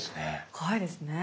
怖いですね。